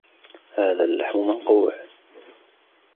هذا اللحم منقوع.